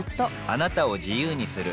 あなたを自由にする